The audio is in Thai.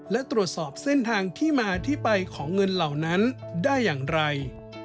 และตรวจสอบเส้นทางที่มาที่ไปของเงินเหล่านั้นได้อย่างไร